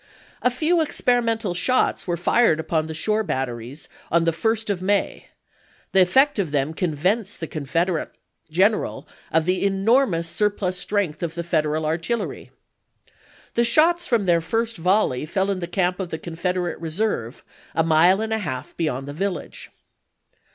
A few experimental shots were fired from the shore batteries on the 1st of May ; the effect of them convinced the Confederate 1862. general of the enormous surplus strength of the Federal artillery. The shots from theii* first volley fell in the camp of the Confederate reserve, a mile and a half beyond the village.